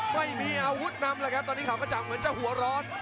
ไม่มีอาวุธนำเลยครับตอนนี้เขาก็จับเหมือนจะหัวร้อน